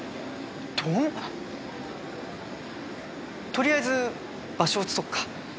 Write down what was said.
鈍とりあえず場所移そっか。